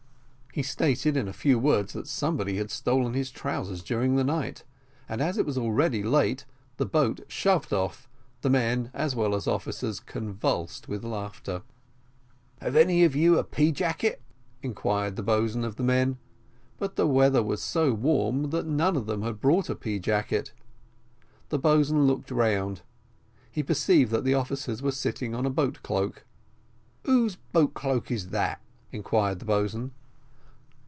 He stated in a few words that somebody had stolen his trousers during the night; and as it was already late, the boat shoved off, the men as well as the officers convulsed with laughter. "Have any of you a pea jacket?" inquired the boatswain of the men but the weather was so warm that none of them had brought a pea jacket. The boatswain looked round; he perceived that the officers were sitting on a boat cloak. "Whose boat cloak is that?" inquired the boatswain.